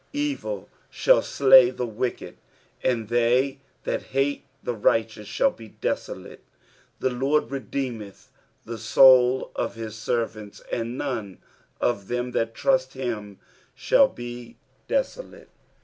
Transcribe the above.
21 Evil shall slay the wicked : and they that hate the righteous shall be desolate. 22 The Lord redeemeth the soul of his servants : and none of them that trust in him shall be desolate.